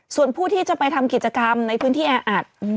ส่วนผู้ที่จะไปทำกิจกรรมในพื้นที่แออัด